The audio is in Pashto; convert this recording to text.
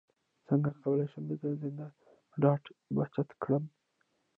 څنګه کولی شم د ګرځنده ډاټا بچت کړم